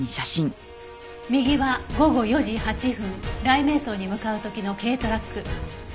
右は午後４時８分雷冥荘に向かう時の軽トラック。